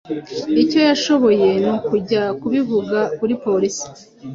icyo yashoboye ni ukujya kubivuga kuri polisi